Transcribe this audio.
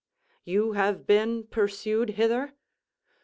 "You have been pursued hither?"